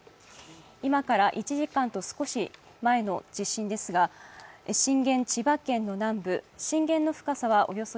今から１時間と少し前の地震ですが震源は千葉県の南部、震源の深さはおよそ